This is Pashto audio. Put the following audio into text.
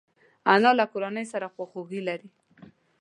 انا له کورنۍ سره خواخوږي لري